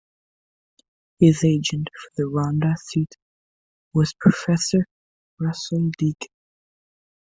His agent for the Rhondda seat was Professor Russell Deacon.